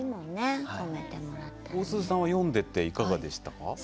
大鈴さんは読んでていかがでしたか？